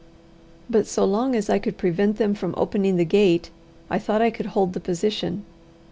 But so long as I could prevent them from opening the gate, I thought I could hold the position.